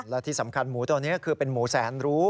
และที่สำคัญหมูตัวนี้คือมูสเนรู